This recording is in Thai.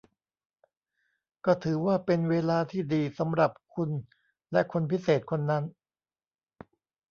ก็ถือว่าเป็นเวลาที่ดีสำหรับคุณและคนพิเศษคนนั้น